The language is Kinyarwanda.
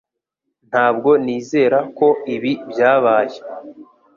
Ntabwo nizera ko ibi byabaye